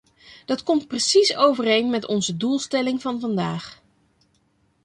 Dat komt precies overeen met onze doelstelling van vandaag.